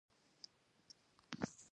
د انفرادي عاید لرونکو کسانو کورنۍ هم شته